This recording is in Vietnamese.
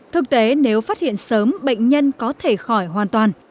thực tế nếu phát hiện sớm bệnh nhân có thể khỏi hoàn toàn